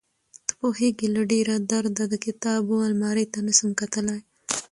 ته پوهېږې له ډېره درده د کتابو المارۍ ته نشم کتلى.